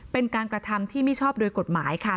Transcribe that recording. เป็นการกระทำที่ไม่ชอบโดยกฎหมายค่ะ